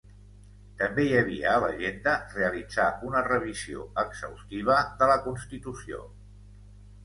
També hi havia a l'agenda realitzar una revisió exhaustiva de la constitució.